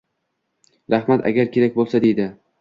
Rahmat, agar kerak bo'lsa, deydi